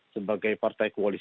sebagai partai kualitas